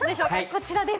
こちらです。